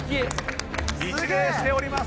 一礼しております。